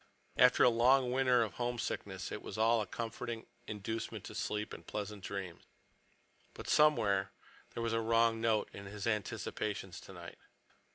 After a long winter of homesickness it was all a comforting inducement to sleep and pleasant dreams. But somewhere there was a wrong note in his anticipations tonight.